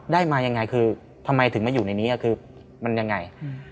ได้มายังไงคือทำไมถึงมาอยู่ในนี้คือมันยังไง